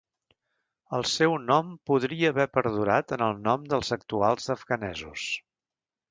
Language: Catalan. El seu nom podria haver perdurat en el nom dels actuals Afganesos.